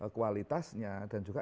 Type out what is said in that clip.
kualitasnya dan juga